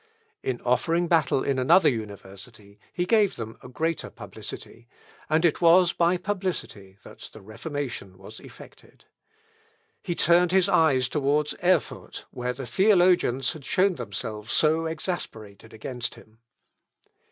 In offering battle in another university he gave them a greater publicity; and it was by publicity that the Reformation was effected. He turned his eyes towards Erfurt, where the theologians had shown themselves so exasperated against him.